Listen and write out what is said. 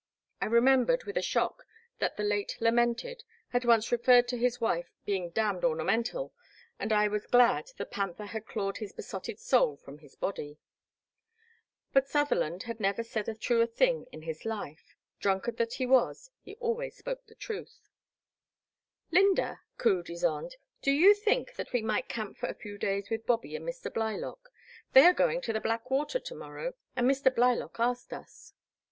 I remembered with a shock that the late lamented had once referred to his wife's being d nd ornamental, and I was glad the panther had clawed his besotted soul from his body. But Sutherland had never said a tt tt tt TJu Black Water. 163 truer thing in his life ; drunkard that he was, he always spoke the truth. Iyynda," cooed Ysonde, "do you think that we might camp for a few days with Bobby and Mr. Blylock? They are going to the Black Water to morrow and Mr. Blylock asked us.